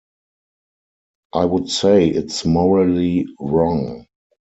I would say it's morally wrong.